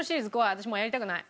私もうやりたくない。